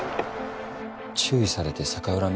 注意されて逆恨み？